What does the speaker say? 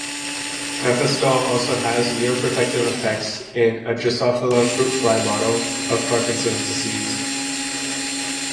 Cafestol also has neuroprotective effects in a "Drosophila" fruit fly model of Parkinson's disease.